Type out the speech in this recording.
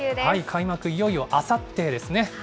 開幕、いよいよあさってですね。